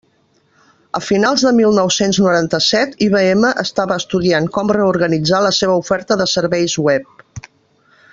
A finals de mil nou-cents noranta-set, IBM estava estudiant com reorganitzar la seva oferta de serveis web.